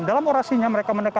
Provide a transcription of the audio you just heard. dalam orasinya mereka menekankan